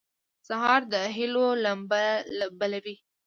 سهار د هيلو لمبه بلوي.